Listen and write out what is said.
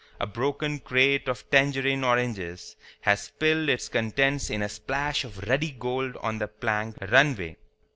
A broken crate of tangerine oranges has spilled its contents in a splash of ruddy gold on the plank runway.